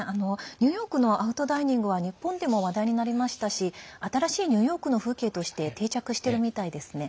ニューヨークのアウトダイニングは日本でも話題になりましたし新しいニューヨークの風景として定着してるみたいですね。